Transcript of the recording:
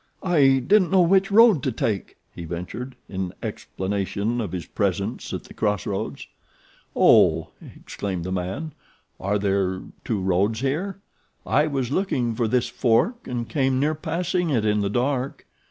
"I didn't know which road to take," he ventured, in explanation of his presence at the cross road. "Oh," exclaimed the man, "are there two roads here? I was looking for this fork and came near passing it in the dark.